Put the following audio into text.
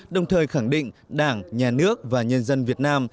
đồng thời khẳng định đảng nhà nước và nhân dân việt nam